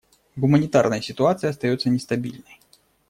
Гуманитарная ситуация остается нестабильной.